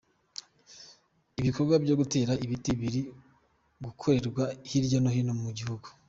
Ibikorwa byo gutera ibiti biri gukorerwa hirya no hino mu gihugu.